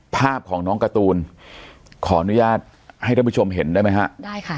ภาพของน้องการ์ตูนขออนุญาตให้ท่านผู้ชมเห็นได้ไหมฮะได้ค่ะ